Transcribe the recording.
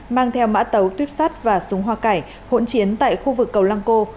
mang theo mã tấu tuyếp sắt và súng hoa cải hỗn chiến tại khu vực cầu lăng cô